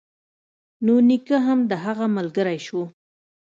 نو نيکه هم د هغه ملگرى سو.